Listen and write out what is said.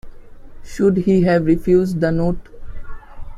Should he have refused the note?